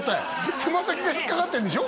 つま先が引っかかってんでしょ？